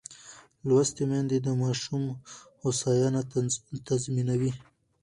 لوستې میندې د ماشوم هوساینه تضمینوي.